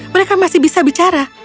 mereka masih bisa bicara